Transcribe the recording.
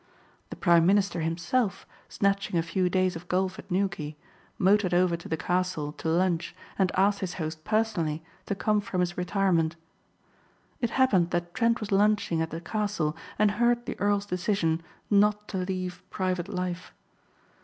The prime minister himself, snatching a few days of golf at Newquay, motored over to the castle to lunch and asked his host personally to come from his retirement. It happened that Trent was lunching at the castle and heard the earl's decision not to leave private life.